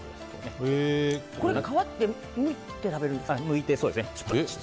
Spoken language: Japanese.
皮ってむいて食べるんですか？